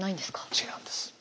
違うんです。